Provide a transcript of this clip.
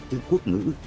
tư quốc ngữ